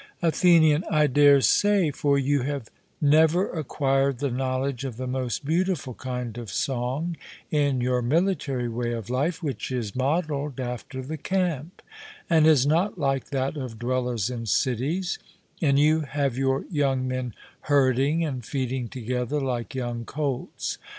ATHENIAN: I dare say; for you have never acquired the knowledge of the most beautiful kind of song, in your military way of life, which is modelled after the camp, and is not like that of dwellers in cities; and you have your young men herding and feeding together like young colts.